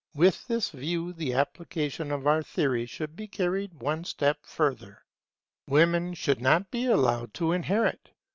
With this view the application of our theory should be carried one step further. Women should not be allowed to inherit.